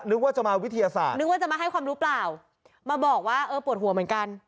นึกว่าจะมาวิทยาศาสตร์นึกว่าจะมาให้ความรู้เปล่ามาบอกว่าเออปวดหัวเหมือนกัน